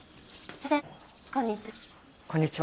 あっこんにちは！